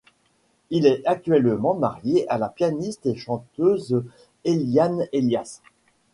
Il est actuellement marié à la pianiste et chanteuse Eliane Elias.